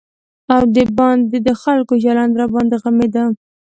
او د باندې د خلکو چلند راباندې غمېده.